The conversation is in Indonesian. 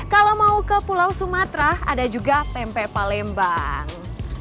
kalau mau ke pulau sumatera ada juga pempek palembang